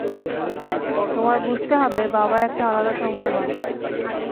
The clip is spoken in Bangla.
তোমার বুঝতে হবে, বাবা একটা আলাদা সময়ের মানুষ।